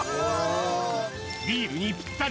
ビールにぴったり！